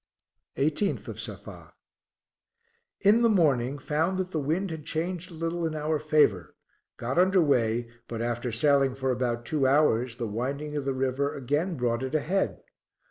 18th of Safa, In the morning found that the wind had changed a little in our favor, got under way, but after sailing for about two hours the winding of the river again brought it ahead.